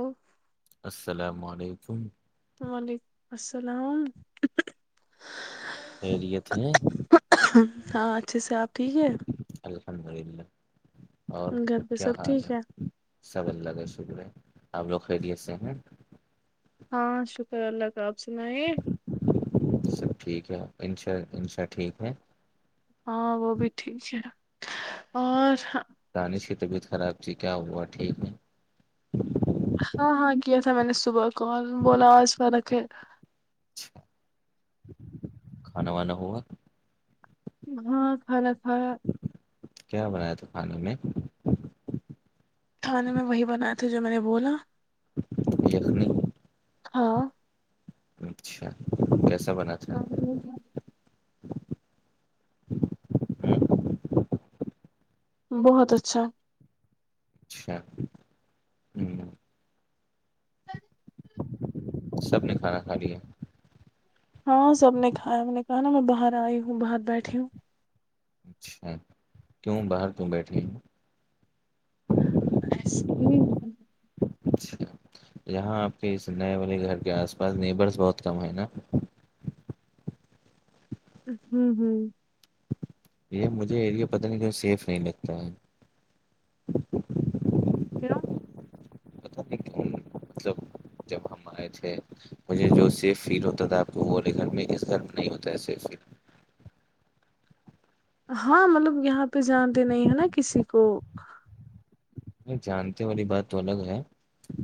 ا السلام علیکم وعلیکم السلام خیریت ہے ہاں اچھے سے آپ ٹھیک ہے الحمد للہ اور گھر پہ کیا سب حال ٹھیک ہے سب اللہ کا شکر ہے آپ لوگ خیریت سے ہیں ہاں شکر اللہ کا آپ سنائیے سب ٹھیک ہے ان شاء انشاء ٹھیک ہے ہاں وہ بھی ٹھیک ہے اور دانش کی طبیعت خراب تھی کیا ہوا ٹھیک نہیں ہاں ہاں کیا تھا میں نے صبح کوال بولا آج فرق ہے اچ کھانا وانا ہوا ہاں خرا خرا کیا بنایا تو کھانے میں کھانے میں وہی بنائے تھے جو میں نے بولا گلنی ہاں اچھا کیسا بناات ہاں کیا ہوں، بہت اچھا اچھا ہ سب نے کھانا کھا لیا ہاں سب نے کھایا ان نے کہا نا میں باہر آئی ہوں باہر بیٹھی ہوں اچھا کیوں باہر کیوں بیٹھ رہے ہیں ایس اچھا یہاں آپ کے نئے والے گھر کے آس پاس نیبرس بہت کم ہے نا ہوں ہوں یہ مجھے اییریا پتہ نہیں کہ سیف نہیں لگتا ہے پھروں پت نہیں کہ مط سب جب ہم آئے تھے مجھے جو سیف فیل ہوتا تھا آپ کو وہے گھر میں اس گھر نہیں ہوتا ہے سیف فیل ہاں مطلب یہاں پہ جانتے نہیں ہیں نا کسی کو جانتے والی بات تو الگ ہے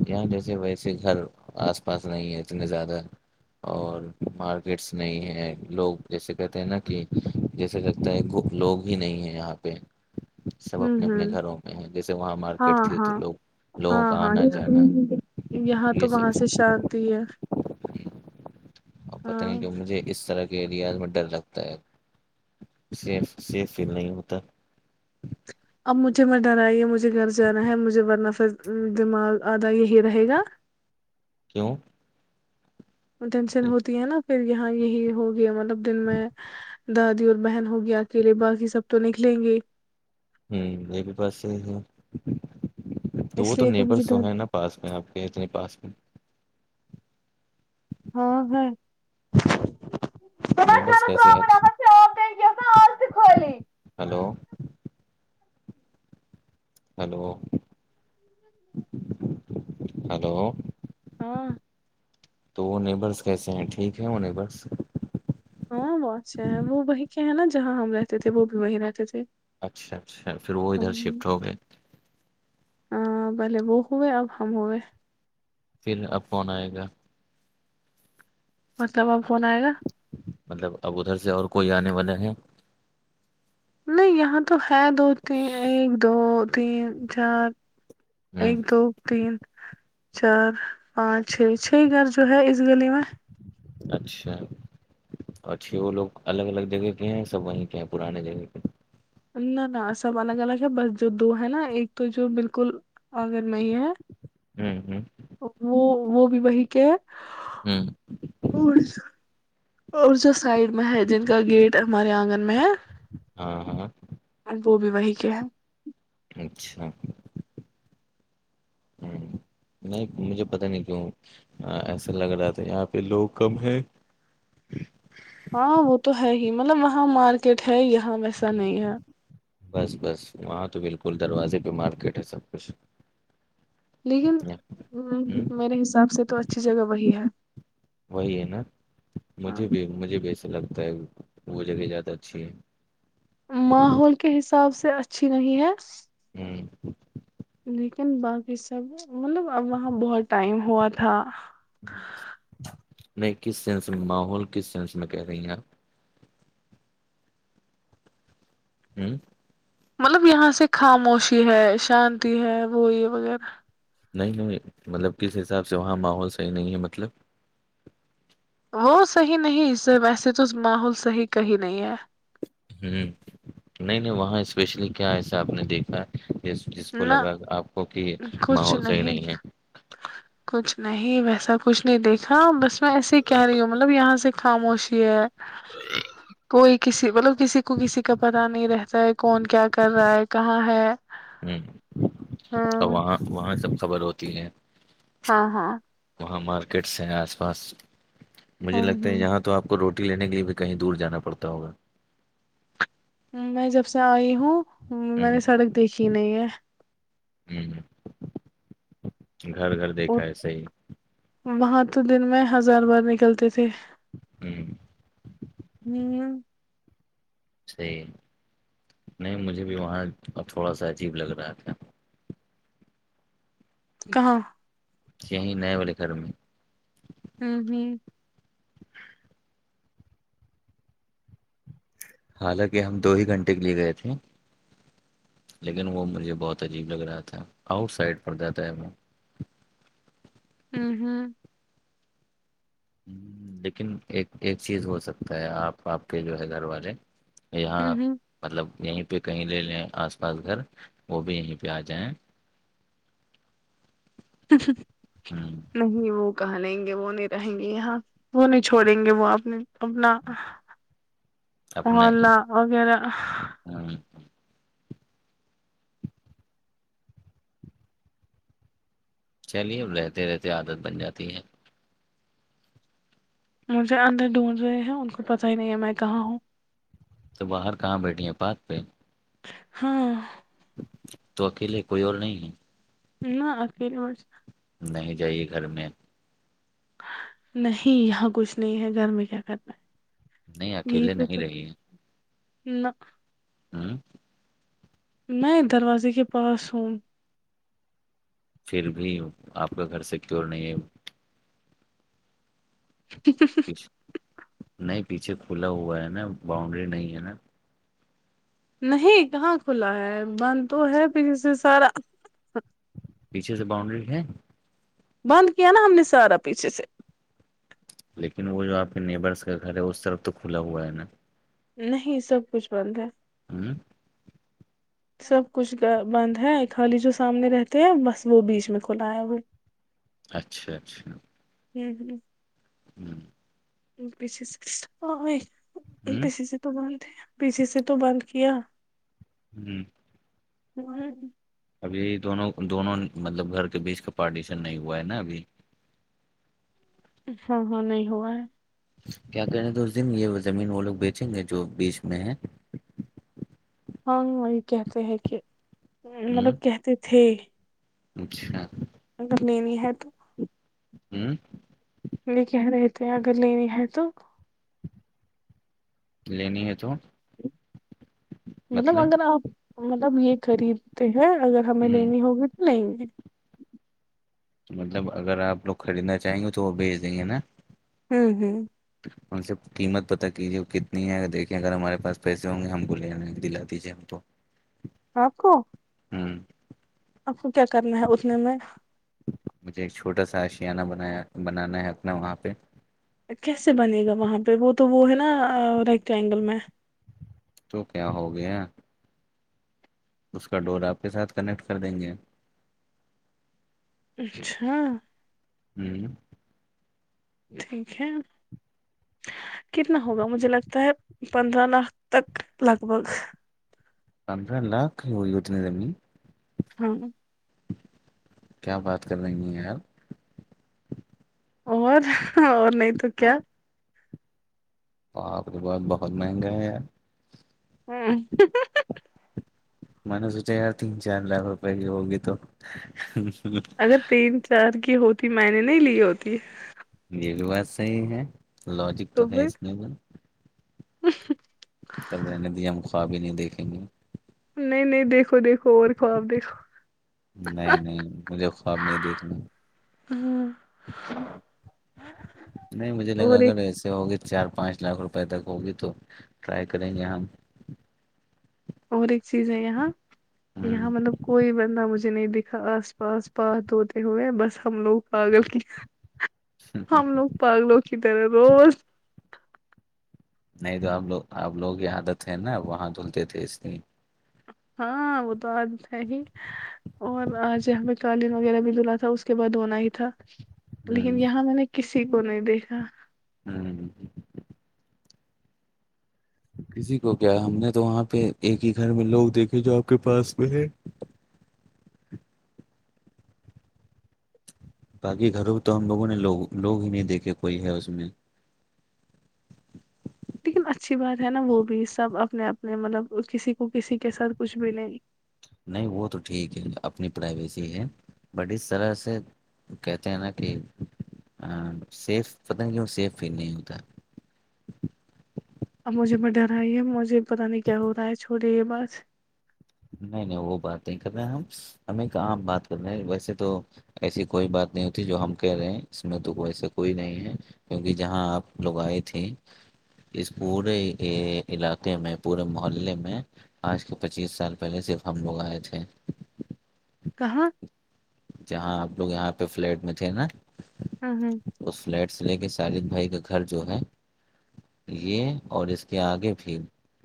یہاں جیسے ویسے گھر آس پاس نہیں ہے اتنے زیادہ اور مارکیٹس نہیں ہے لوگ جیسے کہتے ہیں نا کہ جیسے لگتا ہے لوگ ہی نہیں ہے یہاں پہ سب ہوں اپنے اپنے ہوں گھروں میں ہے جیسے وہاں ہمارے ہاں ہاں ہاں ہاں جانا یہاں تو یہ وہاں سب سے شانتی ہے اور پتہ ہاں نہیں کہ مجھے اس طرح کے ایریاد میں ڈر لگتا ہے سیف سیف فیل نہیں ہوتا اب مجھے میں ڈرآئی ہے مجھے گھر جانا ہے مجھے ورنہ دماغ آدھا یہی رہے گا کیوں ٹینشن ہوتی ہے نا پھر یہاں یہی ہو گیا مطلب دن میں دادی اور بہن ہوگی اکیلے باقی سب تو نکلیں گے ایک بھی بس یہی ہے تو اس وہ تو لیے مجھے نیبرس ڈر ہے نا پاس میں آپ کے نہیں پاس میں ہاں ہے نیبرس کیسے اج ہیلو ہیلو ہیلو ہاں تو وہ نیبرس کیسے ہیں ٹھیک ہے وہ نیبرس ہاں وہ اچھا ہے وہ وہ کے ہیں نا جہاں ہم رہتے تھے وہ بھی وہ رہتے تھے اچھا اچھا پھر وہ ادھر شفٹ ہو گئے ہے پہلے وہ ہوئے اب ہم ہوئے پھر اب کون آئے گا مطلب اب قون آئے گا مطلب اب ادھر سے اور کوئی آنے والا ہے نہیں یہاں تو ہے دو تین ایک دو تین چار ہوں ایک دو تین چار پانچ چھ چھ گھر جو ہے اس گلی میں اچھا اور چھ وہ لوگ الگ الگ جگہ کے ہیں سب وہیں کے ہیں پرانے جگہ کے نہ نہ سب الگ الگ ہے بس جو دو ہے نا ایک تو جو بالکل اگر میں ہی ہے ہوں ہوں وہ وہ بھی وہی کے ہے ہوں اور اور جو سائڈ میں ہے جن کا گیٹ ہمارے آنگن میں ہے ہاں ہاں اور وہ بھی وہی کے ہیں اچھا ہوں، [inaudible] نہیں مجھے پتاہ نہیں کیوں ایسا لگ رہا تھا یہاں پہ لوگ کم ہیں ہاں وہ تو ہے ہی مطلب وہاں مارکیٹ ہے یہاں ویسا نہیں ہے بس بس وہاں تو بالکل دروازے پہ مارکیٹ ہے سب کچھ لیکن ہ میرے حساب سے تو اچھی جگہ وہی ہے وہی ہے نا ہاں مجھے بھی مجھے بھی ایسا لگتا ہے وہ جگہ زیادہ اچھی ہے ماحول کے حساب سے اچھی نہیں ہے ہوں لیکن باقی سب مطلب اب وہاں بہت ٹائم ہوا تھا نہیں کس سینس میں ماحول کس سینس میں کہہ رہی ہیں آپ ہوں مطلب یہاں سے خاموشی ہے شانتی ہے وہ یہ وغیرہ نہیں نہیں مطلب کس حساب سے وہاں ماحول صحیح نہیں ہے مطلب وہ صحیح نہیں ویسے تو ماحول صحیح کا ہی نہیں ہے ہوں نہیں نہیں وہاں اسپیشلی کیا ایسا آپ نے دیکھا ہے ج جس کو نہ لگا آپ کو کہ ماحول صحیح نہیں ہے کچھ نہیں ویسا کچھ نہیں دیکھا بس میں ایسے ہی کہہ رہی ہوں مطلب یہاں سے خاموشی ہے کوئی کسی مطلب کسی کو کسی کا پتاہ نہیں رہتا ہے کون کیا کر رہا ہے کہاں ہے ہوں اور ہ وہاں وہاں سب خبر ہوتی ہیں ہاں ہاں وہاں مارکیٹس ہیں آس پاس مجھے ہ لگتا ہے ہ یہاں تو آپ کو روٹی لینے کے لیے بھی کہیں دور جانا پڑتا ہوگا میں جب سے آئی ہوں میں ہوں نے سڑک دیکھی نہیں ہے ہوں گھر گھر اور دیکھا ہے صحی وہاں تو دن میں ہزار بار نکلتے تھے کہ نہیںی صحیح ہے نہیں مجھے بھی وہاں ا تھوڑا سا عجیب لگ رہا تھا کہاں یہیں نئے والے گھر میں ہوں ہوں [inaudible] حالانکہ ہم دو ہی گھنٹے کے لیے گئے تھے لیکن وہ مجھے بہت عجیب لگ رہا تھا آؤٹ سائڈ پڑتاات تھا میں ہوں ہوں ہ لیکن ایک ایک چیز ہو سکتا ہے آپ آپ کے جو ہے گھر والے یہاں ہوں مطلب یہیں پہ کہیں لے لیں آس پاس گھر وہ بھی یہیں پہ آ جائیں تسا ہوں، نہیں وہ کہ لیں گے وہ نہیں رہیں گے یہاں وہ نہیں چھوڑیں گے وہ اپنے اپنا اپنا ایک- ہولہ وغیرہ ہاں چلیے اب رہتے رہتے عادت بن جاتی ہے مجھے اندر ڈونڈ رہے ہیں ان کو پتا ہی نہیں ہے میں کہاں ہوں تو باہر کہاں بیٹھی ہیں پات پہ ہاں تو اکیلے کوئی اور نہیں ہے نہ اخیر نہیں جائیے گھر میں نہیں یہاں کچھ نہیں ہے گھر میں کیا کرنا ہے نہیں یہ اکیلے پ نہیں تو رہیے نہ ہوں میں دروازے کے پاس ہوں پھر بھی آپ کا گھر سیکور نہیں ہے ج نہیں پیچھے کھلا ہوا ہے نا باؤنڈری نہیں ہے نا نہیں کہاں کھلا ہے بند تو ہے پھر اس سے سارا پیچھے سے باؤنڈری ہے بند کیا نا ہم نے سارا پیچھے سے لیکن وہ جو آپ کے نیبرس کا گھر ہے اس طرف تو کھلا ہوا ہے نا نہیں سب کچھ بند ہے ہوں سب کچھ بند ہے خالی جو سامنے رہتے ہیں بس وہ بیچ میں کھلا آیا ہوئے اچھا اچھا ہوں ہوں ہوں پیھے سےائی پی س سے تو بند ہے پیھے سے تو بند کیا جی ہ ابھی دونوں دونوں مطلب گھر کے بیچ کا پارٹیشن نہیں ہوا ہے نا ابھی ہاں ہاں نہیں ہوا ہے کیا کریں تو اس دن یہ زمین وہ لوگ بیچیں گے جو بیچ میں ہیں ہاں وہی کہتے ہیں کہ ہ مطلب کہتے تھے اچھا اگر لینی ہے تو ہوں لے کہ رہتے ہیں اگر لینی ہے تو لینی ہے تو مطلب اگر آپ مطلب یہ خریدتے ہیں اگر ہمیں ہ لینی ہوگی تو لیں گے مطلب اگر آپ لوگ خریدنا چاہیں گے تو وہ بھیج دیں گے نا ہوں ہوں ان سے قیمت پتہ کیجیے کتنی ہے اگر دیکھیں اگر ہمارے پاس پیسے ہوں گے ہم کو لے آنے دل دی جے ہم تو ہاں کوو ہوں آپ کو کیا کرنا ہے اتنے میں مجھے ایک چھوٹا سا آشیانہ بنایا بنانا ہے اپنا وہاں پہ کیسے بنے گا وہاں پہ وہ تو وہ ہے نا ریکٹ اینگل میں تو کیا ہو گیا اس کا ڈور آپ کے ساتھ کنیکٹ کر دیں گے اچھا ہوں ٹھیک ہے کتنا ہوگا مجھے لگتا ہے پندرہ لاکھ تک لگ بھگ پندرہ لاکھ ہی اتنے دمی ہاں کیا بات کر رہی ہیں یار اور اور نہیں تو کیا تو آپ کے پاس بہت مہنگا ہے یار ہاں منسوٹ ار تن چان لا بپ یہ ہوگ تو اگر تین چار کی ہوتی میں نے نہیں لی ہوتی یہ بھی بات صحیح ہے لوجک تو ہے اس میں ب وفت تب رہنے دیا ہم خواب ہی نہیں دیکھیں گے نہیں نہیں دیکھو دیکھو اور خواب دیکھو نہیں نہیں مجھے خواب نہیں دیکھنا ہ نہیں مجھے لگا اور اگر ایک ایسے ہوگی چار پانچ لاکھ روپے تک ہوگی تو ٹرائی کریں گے ہم اور ایک چیز ہے یہاں یہاں ہوں، مطلب کوئی بندہ مجھے مجھ نہیں دیکھا آس پاس پات دھوتے ہوئے بس ہم لوگ پاگل کی ہم لوگ پگ لو کی طرح روز نہیں تو آپ لوگ آپ لوگ یہ عادت ہے نا وہاں دھلتے تھے اس لی ہاں وہ تو آج ہے ہی اور آج ہم پ قالین وغیرہ بھیدا تھا اس کے بعد ہونا ہی تھا لیکن ہ یہاں میں نے کسی کو نہیں دیکھا ہوں کسی کو کیا ہم نے تو وہاں پہ ایک ہی گھر میں لوگ دیکھے جو آپ کے پاس میں ہے باقی گھروں پ تو ہم لوگوں نے لوگ لوگ ہی نہیں دیکھے کوئی ہے اس میں لیکن اچھی بات ہے نا وہ بھی سب اپنے اپنے مطلب کسی کو کسی کے ساتھ کچھ بھی نہیں نہیں وہ تو ٹھیک ہے اپنی پرائیویسی ہے بٹ اس طرح سے کہتے ہیں نا کہ سیف پتہ نہیں کیوں سیف فیل نہیں ہوتا اب مجھے میں ڈر آئی ہے مجھے پتہ نہیں کیا ہو رہا ہے چھوڑے یہ بعس نہیں نہیں وہ بات نہیں کر رہے ہم ہمیںام بات کر رہے ہیں ویسے تو ایسی کوئی بات نہیں ہوتی جو ہم کہہ رہے ہیں اس میں تو ایسے کوئی نہیں ہے کیونکہ جہاں آپ لوگ آئے تھے اس پورے علاقے میں پورے محلے میں آج کے پچیس سال پہلے صرف ہم لوگ آئے تھے کہاں جہاں آپ لوگ یہاں پہ فلیٹ میں تھے نا ہاں ہاں اس فلیٹ سے لے کے شالد بھائی کا گھر جو ہے یہ اور اس کے آگے بھی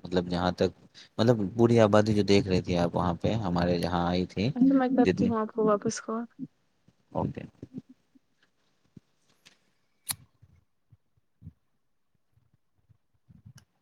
مطلب جہاں تک مطلب بورری آبادی جو دیکھ رہی تھی آپ وہاں پہ ہمارے جہاں آئی تھی اسا میں کرتی جتنی ہوں آپ کو واپس کو اوکے